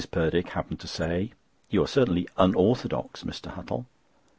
Purdick happened to say "You are certainly unorthodox, Mr. Huttle."